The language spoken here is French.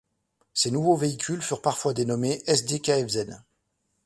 Ces nouveaux véhicules furent parfois dénommés Sd.Kfz.